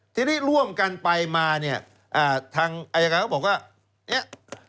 ที่นี่ร่วมกันไปมาเนี่ยทางอาจารย์เขาบอกว่า